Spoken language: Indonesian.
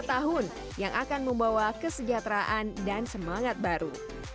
ini adalah menu pembuka tahun yang akan membawa kesejahteraan dan semangat baru